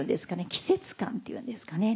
季節感っていうんですかね